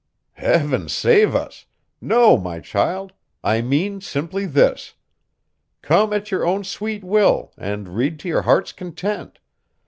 "Heaven save us! No, my child, I mean simply this. Come at your own sweet will and read to your heart's content.